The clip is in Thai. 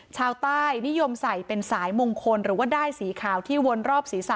ชาวใต้นิยมใส่เป็นสายมงคลหรือว่าด้ายสีขาวที่วนรอบศีรษะ